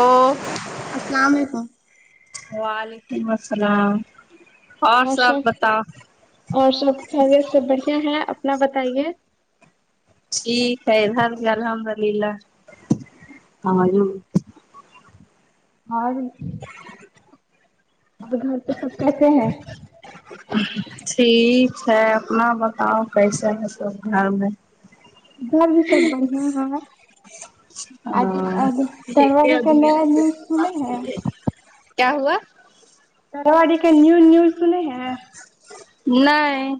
ا السلام علیکم وعلیکم السلام اور سب بتا اور سب خیریت سے بڑھیا ہے اپنا بتائیے ٹھیک ہے ادھر بھی الحمد للہ اور اور گھر پہ سب کیسے ہیں ٹھییک ہے اپنا بتاؤ کیسے ہے سب گھر میں گھر بھی سب بڑھیا ہے آج ہاں آج تلواڑی کا نیا نیوز سنے ہیں کیا ہوا [unintelligible] کا نیوز نیوز سنے ہیں نہیں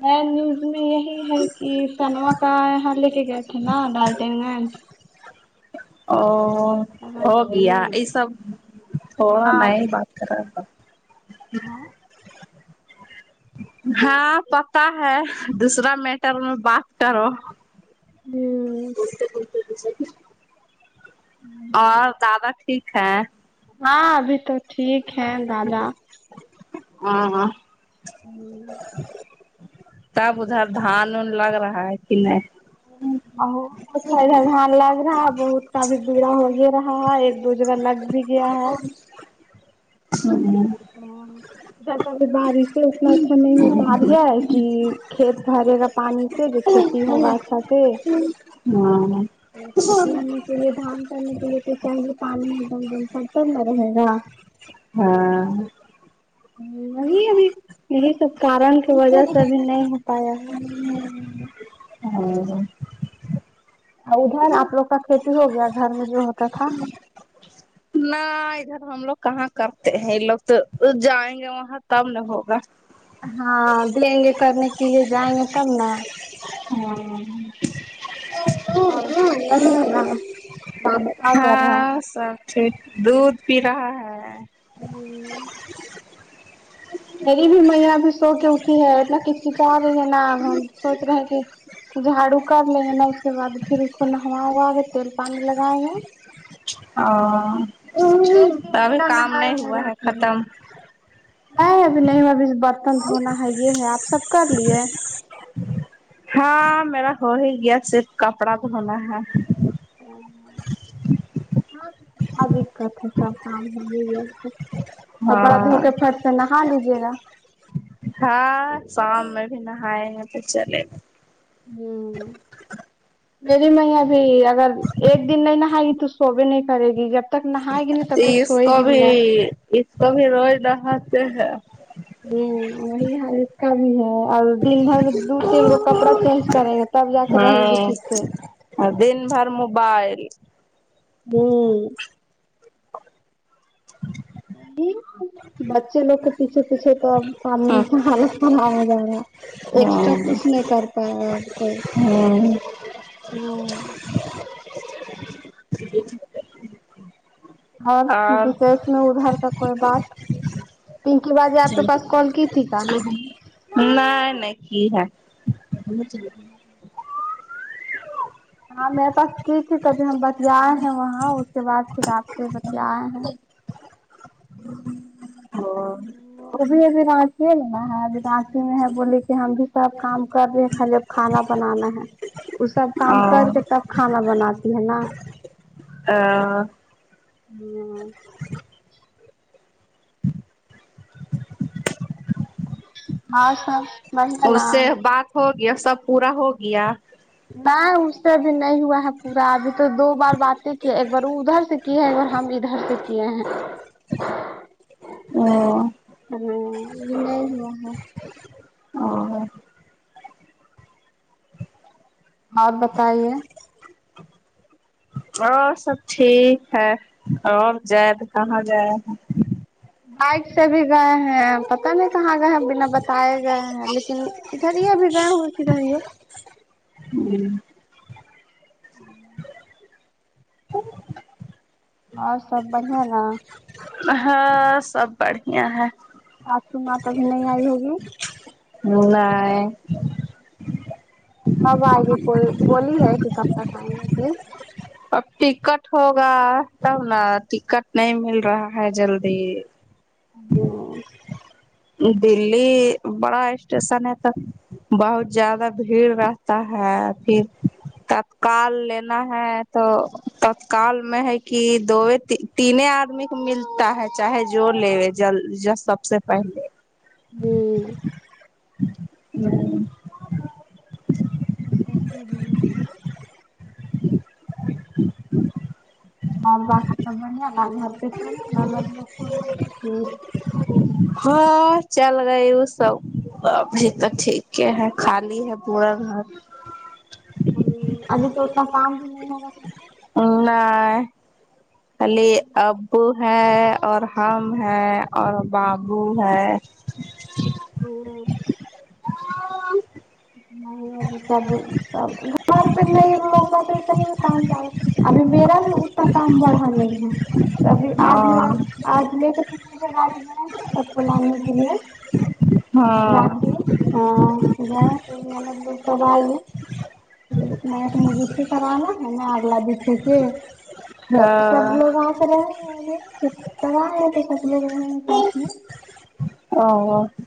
میں نیوز میں یہی یہ ہے کہ سنوا کا یہاں لے کے گئے تھے نہ ڈالٹین میں او ہو ہاں گیا ای سب تو میں ہی بات کر رہا تھا ہاں ہاں پتہ ہے دوسرا میٹر میں بات کرو ھمم [unintelligible] اور دادا ٹھیک ہیں ہاں ابھی تو ٹھیک ہے دادا ا ہاں تب ادھر دھان ان لگ رہا ہے کہ نہیں اور اچھا ادھر ہاں لگ رہا ہے بہت کافی بگڑا ہو ہی رہا ہے ایک دوسرا لگ بھی گیا ہے ھممم ھمم بارش سے اتنا اچھی نہیں ہوپا رہی ہے کہ کھیت بھرے گا پانی سے جو کھیتی ہوگا اچھا سے ہاں کھیتی ہونے کے لیے دھان کرنے کے لیے تو چاہئے پانی ایک دم دم خرتر نہ رہے گا ہاں وہی ابھی یہی سب کارن کی وجہ سے ابھی نہیں ہو پارہا ہے [unintelligible] ہاں ادھر آپ لوگ کا کھیتی ہو گیا گھر میں جو ہوتا تھا ہاں ادھر ہم لوگ کہاں کرتے ہیں یہ لوگ تو جائیں گے وہاں تب نہ ہوگا ہاں گے کرنے کے لیے جائی [unintelligible] ں گے تب نہ ہاں اور سب بڑھیا نا رابطہ کر رہا ہاں سا قب دودھ پی رہا ہے [unintelligible] [unintelligible] بھی سو کے اٹھی ہے اتنا کچکچا رہی ہے نہ اب ہم سوچ رہے ہیں کہ جھاڑو کر لیں گے نہ اس کے بعد پھر اس کو نہوا ہوا کے تیل پانی لگائیں گے ا ایک دن ابھی بنا کام نہائے نہیں ہوا ہے ختم ا نہیں ابھی نہیں ابھی برتن دھونا ہے یہ ہے آپ سب کر لئے ہاں میرا ہو ہی گیا صرف کپڑا دھونا ہے [unintelligible] کپڑا دھو ہاں کے پھر سے نہا لیجئے گا ہاں شام میں بھی نہائے ہیں تو چلے ہوں میری مئیا بھی اگر ایک دن نہیں نہائے گی تو سو بھی نہیں کرے گی جب تک نہائے گی نہیں تب تک اس سوئے کو گی بھی نہیں اس کو بھی روز نہتے ہے [unintelligible] اور دن بھر میں دو تین گو کپڑا چینج کریں گے تب جا کے رہے گی ٹھیک سے ہ دن بھر موبائل [unintelligible] بچے لوگ کے پیچھے پیچھے تو امی ہ کا حالت خراب ہو جا را ایکسٹرا کچھ نہیں کر پائے آپ کوئی ہ اور اڈئیر کا کوئی بات اور [unintelligible] ان کی باجی اپ کے پاس کال کی تھی کہ نہ نہیں ہے ہاں میرے پاس کی تھی کبھی ہم بتیایے ہیں وہاں اس کے بعد پھر آپ سے بتیائے ہیں ہاں وہ بھی ابھی راچی میں ہے ابھی راچی میں ہے بولی کہ ہم بھی سب کام کر رہے خالی اب کھانا بنانا ہے وہ سب کام کر کے تب کھانا بناتی ہے نا [inaudible] [unintelligible] [inaudible] ہاں سب بڑھیا اس نا سے بات ہو گیا سب پورا ہو گیا نہیں اس سے ابھی نہیں ہوا ہے پورا ابھی تو دو بار باتیں کی ایک بار ادھر سے کی ہیں اور ہم ادھر سے کیے ہیں [inaudible] نی ہوا ہے اور بتائیے اور سب ٹھیک ہے اور جائب کہاں جائے بائک سے بھی گئے ہیں پتہ نہیں کہاں گئے ہیں بنا بتائے گئے ہیں لن [unintelligible] ہوں ہ اور سب بڑھیا نا ہاں سب بڑھیا ہے اج تمہا پاس نہیں آئی ہوگی ملائی ابائیگی کول بولی ہے کہ کب تک آئیں ہو گی اب ٹکٹ ہوگا تب ن ٹکٹ نہیں مل رہا ہے جلدی ہ دلی بڑا اسٹیشن ہے تو بہت زیادہ بھیڑ رہتا ہے پھر تب کال لینا ہے تو تتکال میں ہے کہ دو تیننے آدمی کے ملتا ہے چاہے جو لیوے جل جس سب سے پہلے ہوں ہ جیسے اس میں رول ہے نا ہاں باقی سب بڑیا [unintelligible] لوگ کون ہوتی تھے چ ہاں چل گی ا سب ابھی تو ٹھیک ہی ہے خالی ہے پورا گھر ابھی تو اتنا کام بھی نہیں ہوگا کو [unintelligible] ہے اور ہم ہیں اور بابو ہے اور نہیں ابھی سب سب گھر پہ نہیں لوگ پات اتنے بھی کام جیادہ ابھی میرا بھی اتنا کام بڑا نہیں ہے ابھی آج اور میرا آج لے کے سک کے گاڑی بھر سب کو لانے کے لیے ہاں [unintelligible] [unintelligible] ہاں [unintelligible] [unintelligible]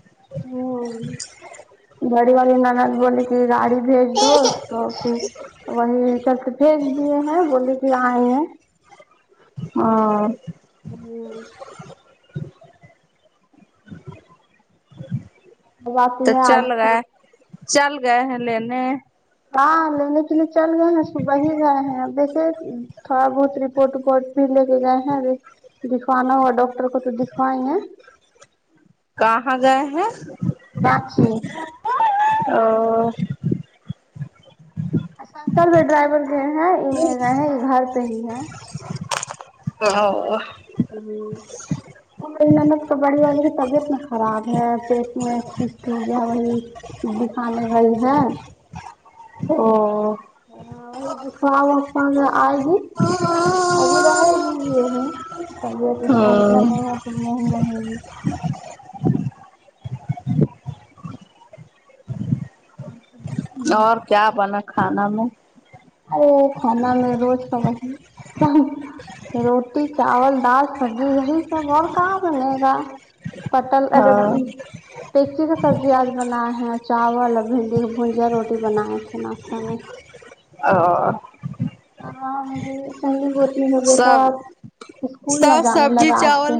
ہمم بڑی والی ننند بول کہ گاڑی بھیج دو تو پھر وہی چل کے بھیج دیے ہیں بولے کہ آئی ہیں ہاں ہوں اب آتی تو ہے آج چل کی گئے چل گئے ہیں لینے ہاں لینے کے لیے چل گئے ہیں صبح ہی گئے ہیں اب دیکھے تھوڑا بہت رپورٹ وپورٹ بھی لے کے گئے ہیں دکھوانا ہا ڈاکٹر ٹر کو بھی دکھائے ہے کہاں گئے ہیں [unintelligible] اور شنکر بھی ڈرائیور کے ہیں یہ گئے ہے یہ گھر پہ ہی ہے ا ہمم تو بڑی والے والے کی تبیت نہ خراب ہے پیٹ میں سسٹ ہو گیا ہے وہی دکھانے گئی ہے ا ہاں وہائی دکھوا سا آئے گی ہاں ابھی رہے ہی یہ تبیعت اس کا اچھا نہیں ہے [unintelligible] ہم سب اور کیا بنا کھانا میں ارے کھانا میں روز کا روٹی چاول دال سبزی یہی سب اور کا بنے گا ہاں [unintelligible] چی کی سبزی آج بناائے ہیں اور چاول اور بھنڈی بجیا روٹی بنائے تھے ناشتہ میں ا ہاں مے سنگی پور بیٹا سب اسکول نہ جانے لگا آج سے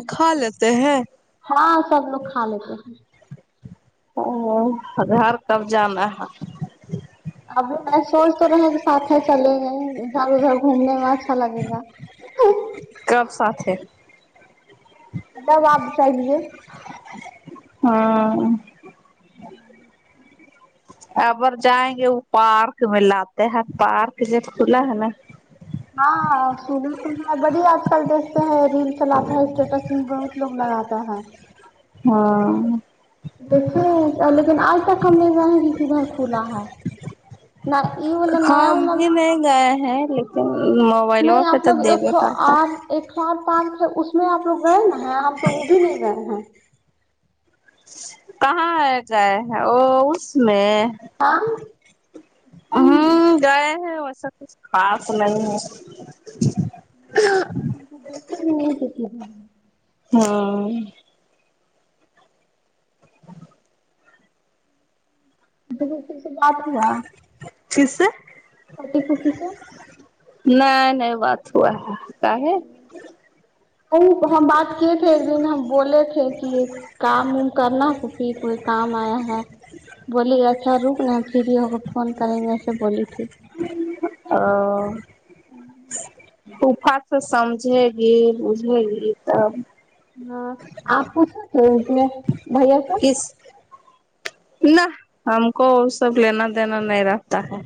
ہے ہاں سب لوگ کھا لیتے ہیں ہمم ہمم گار کب جانا ہے اب میں سوچ تو رہے کہ ساتھ میں چلیں گے ادھر ادھر گھومنے میں اچھا لگے گا ہاں کب ساتھ ہے جب آپ چاہیے ہاں ہوں اگر جائیں گے وہ پارک میں لاتے ہیں پارک جب کھلا ہے نا ہاں سنا تو ہے بھڑیہ آج کل دیکھتے ہیں ریل چلاتا ہے اسٹیٹس میں بہت لوگ لگاتا ہے ہاں دیکھیے لیکن آج تک ہم نہیں جیں ہے گے کدھر کھلا ہے نہ یہ والا نیا ہم والا بھی نہیں گئے ہیں لیکن موبائلوں نہیں پہ آپ تو لوگ دیبے ایک کرتا ایک پارک ہے اس میں آپ لوگ گئے نا ہے ہم تو وہ بھی نہیں گئے ہیں کہاں آ گئے ہیں وہ اس میں ہاں ہوں گئے ہیں ویسا کچھ خاص نہیں ہے دیکھ بھی نہیں کسی ہاں پھر سے بات ہوا کس سے کٹی پتی سے نہیں نہیں بات ہو ہے کا ہے وہ ہم بات کیے تھے ایک دن ہم بولے تھے کہ کام کرنا کسی کے کام آیا ہے بولی اچھا رک نا پری ہی ہوکے فون کریں گے اسے بولی تھی ا ہمم طوفات سے سمجھے گی بجھے گی تب ہاں آپو س [unintelligible] تو انے بھیا سے کس نہ ہم کو سب لینا دینا نہیں رہتا ہے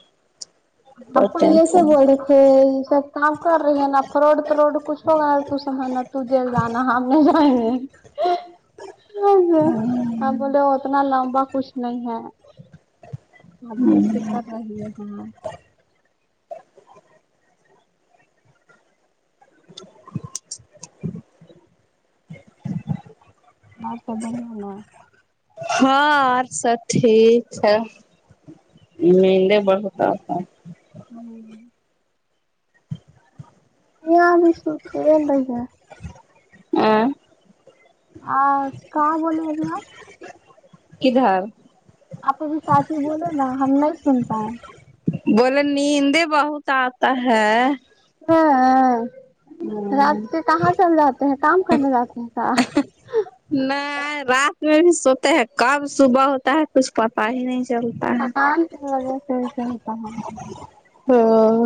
آپ کوئی تو ایسے ٹینشن بولے یہ سب کام کر رہی ہیں نا فروڈ تروڈ کچھ ہوگا تو سا محنت چل جانا ہم نہیں جائیں گے ہاں بولے اتنا لمبا کچھ نہیں ہے آب دیکھی کر رہی ہے فون ما سابامن ہونا ہاں اور سب ٹھیک ہے مہندی بڑو ساتھ ساتھ ہوں یہیا بھی سرکھے رہی ہے ا آ کہاں بولے ابھی آپ کدھر آپ ابھی ساتھی بولے نا ہم نہیں سن پائے بولے نیندیں بہت آتا ہے ہاں ہاں رات کہاں چل جاتے ہیں کام کرنے جاتے ہیں کیا نہیں رات میں بھی سوتے ہیں کب صبح ہوتا ہے کچھ پتہ ہی نہیں چلتا ہے تھکان سے ہوجاتا ہے ایسے ہوتا ہے ہاں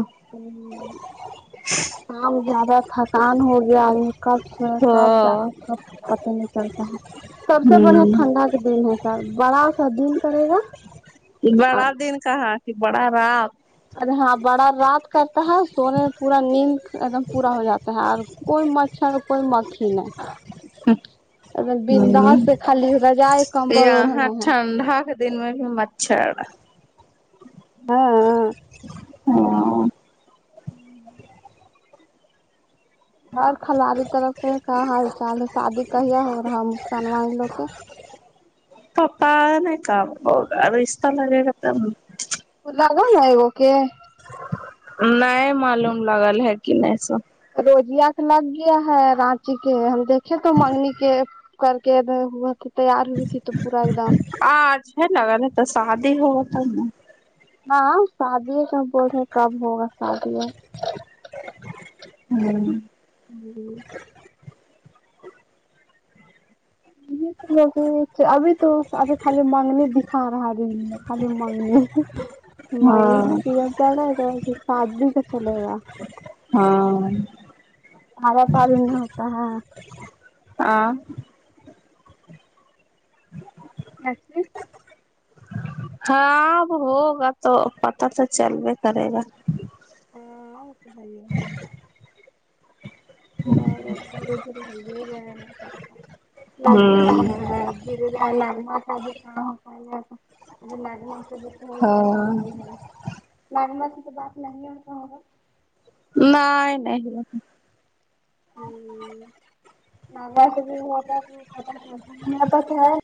[unintelligible] کام زیادہ تھکان ہو گیا ہے کب سوے کب ہاں جاگے پتہ نہیں چلتا ہے سب سے بڑھیا ٹھنڈا دن ہے سر بڑا سا دن کرے گا اور بڑا دن کہا کی بڑا رات ارے ہاں بڑا رات کرتا ہے سونے میں پورا نیند ایک دم پورا ہو جاتا ہے اور کوئی مچھر کوئی مکھی نہیں ایک دم بن داس ہوں سے خالی رضائی کمبل اڑھنا یہاں ہے [unintelligible] دن میں بھی مچھر ہاں اور کھلاڑی طرف سے کا حال چال شادی کہی یا ہو رہا مسکان ہم لوگ کے پتہ نہیں کب ہوگا رشتہ لگے گا تب [unintelligible] نہیں معلوم لگل ہے کی نہیں سو روجیا کے لگ گیا ہے رانچی کے ہے ہم دیکھے تو منگنی کے کر کے ہوا تیار ہوئی تھی تو پورا ایک دم آج ہے لگا نہیں تو شادی ہو گئی نا نہ شادی تو بولے کب ہوگا شادی ہمم [unintelligible] ابھی تو ابھی خالی منگنی دکھا رہا دن میں خالی مانگنی منگنی ہاں سی اے چلے گا تو شادی کا چلے گا ہاں تھارا تھاری نہیں ہوتا ہے آ اچھا ہاں اب ہوگا تو پتہ تو چلو کرے گا [unintelligible] [unintelligible] [inaudible] کوئی ہوں پسند ہاں نہیں ہے لگنا سے تو بات نہیں ہوتا ہوگا نہیں نہیں نہیں [unintelligible]